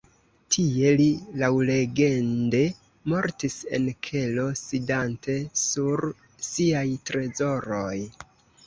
Tie li laŭlegende mortis en kelo sidante sur siaj trezoroj.